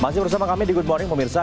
masih bersama kami di good morning pemirsa